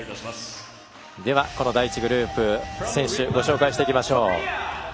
ではこの第１グループ選手ご紹介していきましょう。